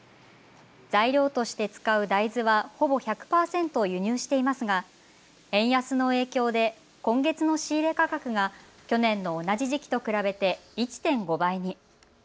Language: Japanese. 材料として使う大豆はほぼ１００％輸入していますが円安の影響で今月の仕入れ価格が去年の同じ時期と比べて１．５倍に。